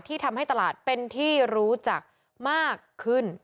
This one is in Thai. ทำให้ตลาดเป็นที่รู้จักมากขึ้น